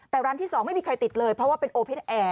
แต่ร้านที่๒ไม่มีใครติดเลยเพราะว่าเป็นโอเพ็ญแอร์